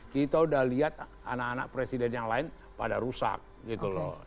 kita udah lihat anak anak presiden yang lain pada rusak gitu loh